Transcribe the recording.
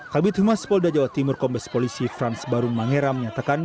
kabit humas polda jawa timur kombes polisi frans barung mangera menyatakan